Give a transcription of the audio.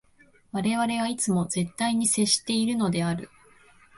我々はいつも絶対に接しているのである。